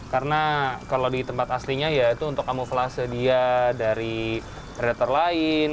karena kalau di tempat aslinya ya itu untuk kamuflase dia dari predator lain